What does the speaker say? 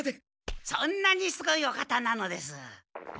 そんなにすごいお方なのです。